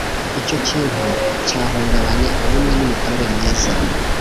Icyo kintu cyahungabanya ubumwe n’imikorere myiza